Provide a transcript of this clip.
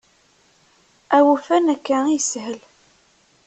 Awufan akka i yeshel.